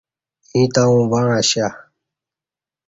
ییں تاوں وعں اشیہ